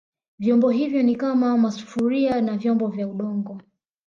Vyombo hivyo ni kama masufuria na vyombo vya Udongo